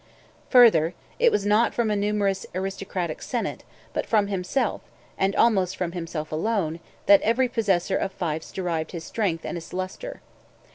Further, it was not from a numerous aristocratic senate, but from himself, and almost from himself alone, that every possessor of fiefs derived his strength and his lustre.